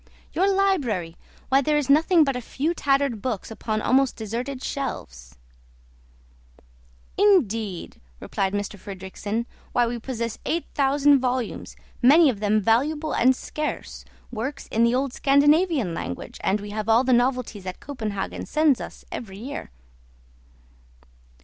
"Your library! why there is nothing but a few tattered books upon almost deserted shelves." "Indeed!" replied M. Fridrikssen, "why we possess eight thousand volumes, many of them valuable and scarce, works in the old Scandinavian language, and we have all the novelties that Copenhagen sends us every year."